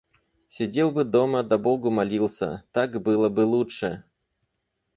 Сидел бы дома да богу молился; так было бы лучше.